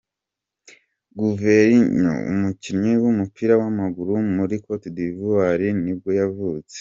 Gervinho, umukinnyi w’umupira w’amaguru wo muri Cote D’ivoire nibwo yavutse.